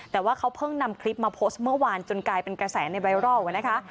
แต่ว่าเขาเพิ่งนำคลิปมาโพสต์เมื่อวานจนกลายเป็นกระแสในไวรัลนะคะ